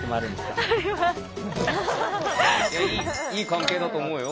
いやいい関係だと思うよ